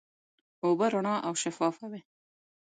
اوبه رڼا او شفافه وي.